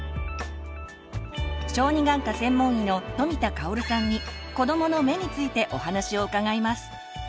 小児眼科専門医の富田香さんに「子どもの目」についてお話を伺います。